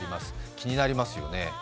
気になりますよね。